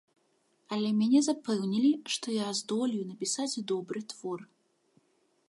Але мяне запэўнілі, што я здолею напісаць добры твор.